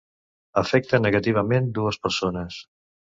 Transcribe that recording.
Afecta negativament dues persones.